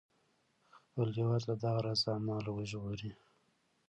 خپل هیواد له دغه راز اعمالو وژغوري.